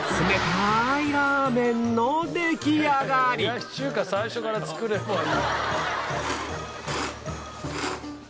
冷やし中華最初から作ればいい。